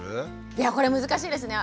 いやこれ難しいですね。